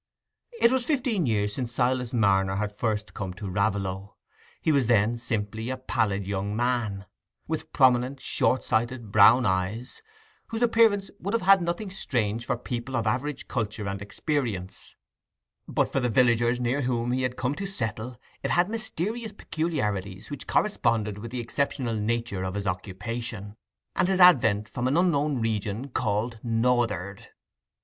It was fifteen years since Silas Marner had first come to Raveloe; he was then simply a pallid young man, with prominent short sighted brown eyes, whose appearance would have had nothing strange for people of average culture and experience, but for the villagers near whom he had come to settle it had mysterious peculiarities which corresponded with the exceptional nature of his occupation, and his advent from an unknown region called "North'ard".